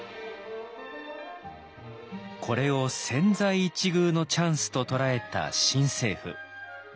これを千載一遇のチャンスと捉えた新政府。